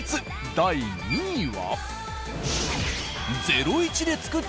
第２位は。